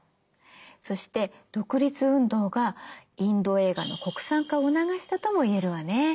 そして独立運動がインド映画の国産化を促したとも言えるわね。